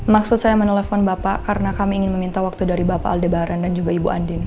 maksud saya menelpon bapak karena kami ingin meminta waktu dari bapak aldebaran dan juga ibu andin